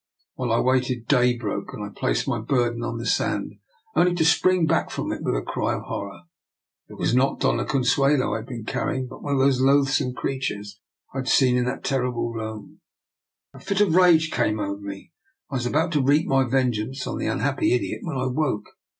While I waited day broke, and I placed my burden on the sand, only to spring back from it with a cry of horror. It was not the Dofia Consuelo I had been carrying, but one of those loathsome creatures I had seen in that terrible room. A fit of rage came over me, and I was about to 178 DR NIKOLA'S EXPERIMENT. wreak my vengeance on the unhappy idiot, when I woke.